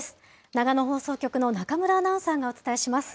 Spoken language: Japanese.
長野放送局の中村アナウンサーがお伝えします。